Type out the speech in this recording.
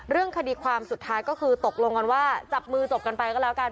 เรื่องคดีความสุดท้ายก็คือตกลงกันว่าจับมือจบกันไปก็แล้วกัน